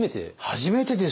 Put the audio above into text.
初めてですよ。